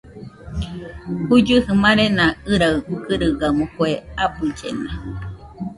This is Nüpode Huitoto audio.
Juigɨjɨ marena ɨraɨ kɨrɨgaɨmo, kue abɨllena